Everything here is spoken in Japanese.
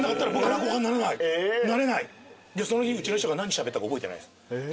その日うちの師匠が何しゃべったか覚えてないんです。